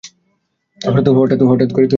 হঠাত করে তো গায়েব হয়ে যেতে পারে না!